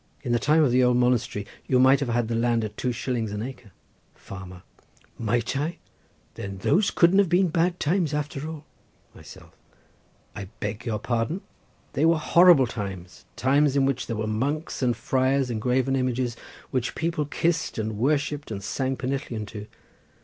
In the time of the old monastery you might have had the land at two shillings an acre. Farmer.—Might I? Then those couldn't have been such bad times, after all. Myself.—I beg your pardon! They were horrible times—times in which there were monks and friars and graven images, which people kissed and worshipped and sang pennillion to.